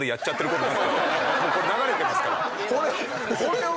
もうこれ流れてますから。